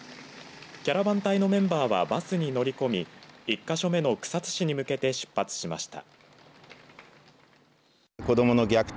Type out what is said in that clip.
キャラバン隊のメンバーはバスに乗り込み１か所目の草津市に向けて出発しました。